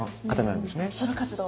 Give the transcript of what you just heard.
ソロ活動？